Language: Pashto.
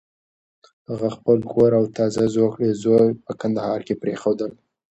هغه خپل کور او تازه زوکړی زوی په کندهار کې پرېښودل.